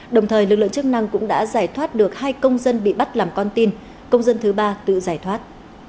đồng thời lực lượng chức năng cũng đã giải thoát được hai công dân bị bắt làm con tin công dân thứ ba tự giải thoát